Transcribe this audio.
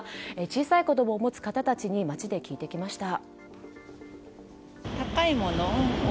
小さい子供を持つ方たちに街で聞いてきました。